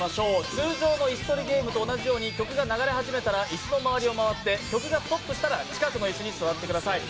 通常の「椅子取りゲーム」と同じように曲が流れ始めたら椅子の周りを回って曲がストップしたら近くの椅子に座ってください。